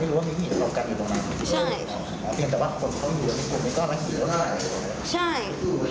กลุ่มวัยรุ่นฝั่งพระแดง